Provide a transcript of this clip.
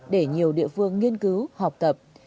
để nhiều địa phương nghiên cứu học tập